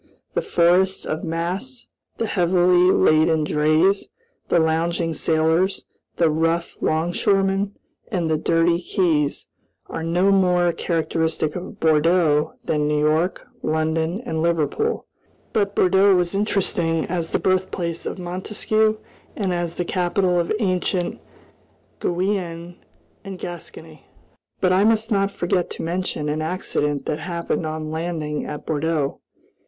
The forests of masts, the heavily laden drays, the lounging sailors, the rough 'longshoremen, and the dirty quays, are no more characteristic of Bordeaux than New York, London, and Liverpool. But Bordeaux was interesting as the birthplace of Montesquieu and as the capital of ancient Guienne and Gascony. But I must not forget to mention an accident that happened on landing at Bordeaux.